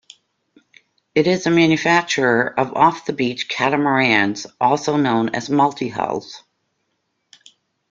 It is a manufacturer of off-the-beach catamarans, also known as multihulls.